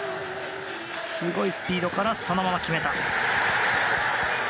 すごいスピードからそのまま決めた！